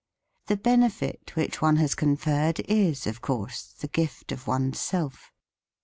The benefit which one has con ferred is, of course, the gift of oneself.